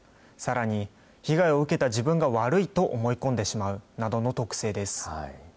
さらに、被害を受けた自分が悪いと思い込んでしまうなどの特性です。